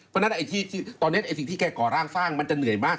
เพราะฉะนั้นตอนนี้สิ่งที่แกก่อร่างสร้างมันจะเหนื่อยมาก